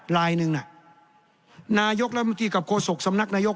ลายหนึ่งน่ะนายกแล้วเมื่อกี้กับโคสกสำนักนายก